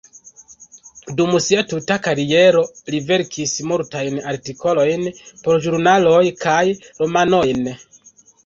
Dum sia tuta kariero li verkis multajn artikolojn por ĵurnaloj kaj romanojn.